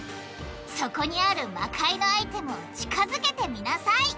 そこにあるの魔界のアイテムを近づけてみなさい！